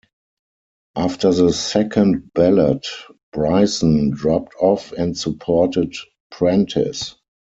After the second ballot, Brison dropped off and supported Prentice.